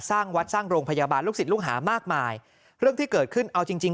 สร้างวัดสร้างโรงพยาบาลลูกศิษย์ลูกหามากมายเรื่องที่เกิดขึ้นเอาจริงจริง